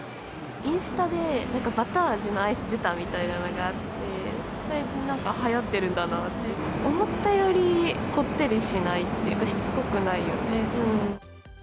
インスタで、なんかバター味のアイス出たみたいなのがあって、最近はやってるんだなって、思ったより、こってりしないっていうか、しつこくないよね。